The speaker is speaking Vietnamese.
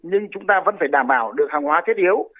nhưng chúng ta vẫn phải đảm bảo được hàng hóa thiết yếu